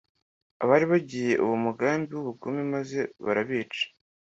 abari bagiye uwo mugambi w'ubugome maze barabica